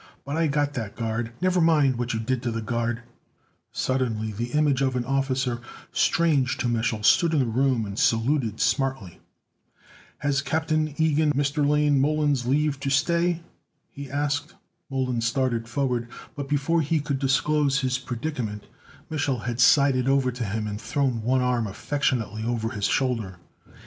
But I got that guard " "Never mind what you did to the guard " Suddenly the image of an officer strange to Mich'l stood in the room and saluted smartly. "Has Captain Ilgen Mr. Lane Mollon's leave to stay?" he asked. Mollon started forward, but before he could disclose his predicament Mich'l had sidled over to him and thrown one arm affectionately over his shoulder.